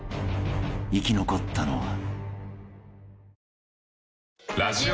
［生き残ったのは？］